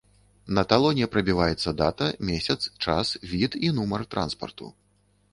На талоне прабіваецца дата, месяц, час, від і нумар транспарту.